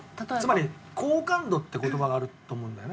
つまり「好感度」って言葉があると思うんだよね。